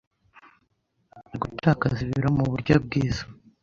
Gutakaza ibiro muburyo bwiza